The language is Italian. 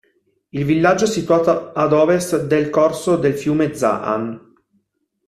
Il villaggio è situato ad ovest del corso del fiume Zaan.